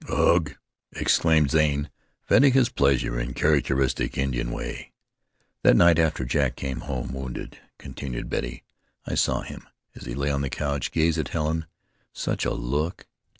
"Ugh!" exclaimed Zane, venting his pleasure in characteristic Indian way. "That night after Jack came home wounded," continued Betty, "I saw him, as he lay on the couch, gaze at Helen. Such a look!